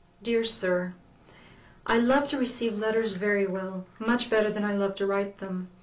DEAR SIR, I love to receive letters very well, much better than I love to write them.